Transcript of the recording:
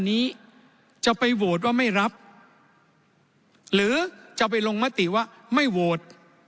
นี้จะไปโหวตว่าไม่รับหรือจะไปลงมติว่าไม่โหวต